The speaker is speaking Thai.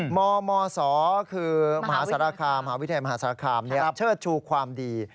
มมสคือมหาวิทยาลัยมหาสารคามเชิดชูความดี